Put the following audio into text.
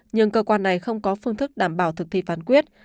nhưng cơ quan này không có phương thức đảm bảo thực thi phán quyết